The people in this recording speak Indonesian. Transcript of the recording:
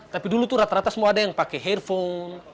tapi dulu tuh rata rata semua ada yang pakai handphone